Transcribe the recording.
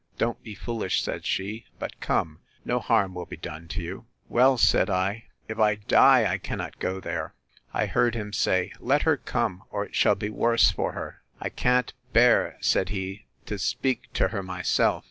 —Don't be foolish, said she; but come; no harm will be done to you!—Well, said I, if I die, I cannot go there. I heard him say, Let her come, or it shall be worse for her. I can't bear, said he, to speak to her myself!